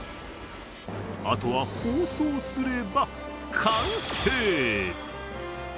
あとは包装すれば完成。